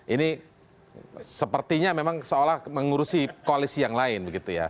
ini sepertinya memang seolah mengurusi koalisi yang lain